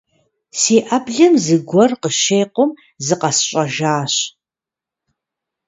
Си Ӏэблэм зыгуэр къыщекъум, зыкъэсщӀэжащ.